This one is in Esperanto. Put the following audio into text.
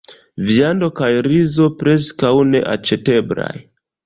Viando kaj rizo preskaŭ neaĉeteblaj.